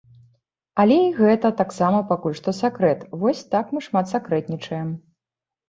Але і гэта таксама пакуль што сакрэт, вось так мы шмат сакрэтнічаем.